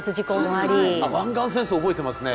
あっ湾岸戦争覚えてますね